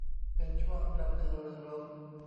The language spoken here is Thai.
เป็นช่วงกระตือรือร้น